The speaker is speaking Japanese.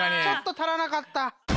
ちょっと足らなかった。